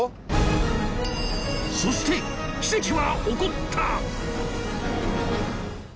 そして奇跡は起こった！